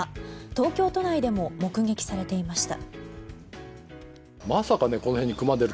東京都内でも目撃されていました。